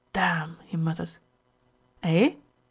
"Damn!" he muttered. "Eh?"